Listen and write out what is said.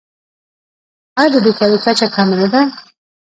آیا د بیکارۍ کچه کمه نه ده؟